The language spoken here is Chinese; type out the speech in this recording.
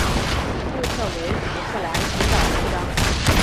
右侧为福克兰群岛纹章。